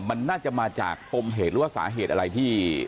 มันน่าจะมาจากปมเหตุหรือว่าสาเหตุอะไรที่